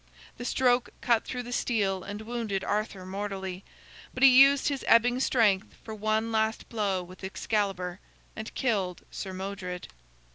The stroke cut through the steel, and wounded Arthur mortally, but he used his ebbing strength for one last blow with Excalibur, and killed Sir Modred.